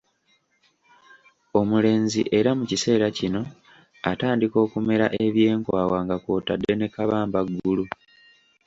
Omulenzi era mu kiseera kino atandika okumera eby'enkwawa nga kw'otadde ne kabamba ggulu.